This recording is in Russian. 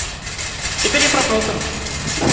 Теперь я проснулся.